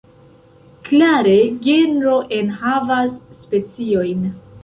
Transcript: Klare, genro enhavas speciojn.